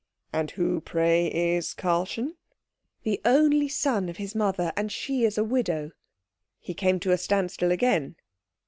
"And who, pray, is Karlchen?" "The only son of his mother, and she is a widow." He came to a standstill again.